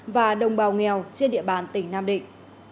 và đồng bào nghèo trên địa bàn tỉnh nam định